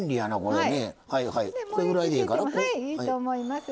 はい。